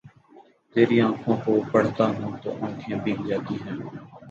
تری آنکھوں کو پڑھتا ہوں تو آنکھیں بھیگ جاتی ہی